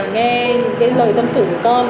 nghe những cái lời tâm sự của con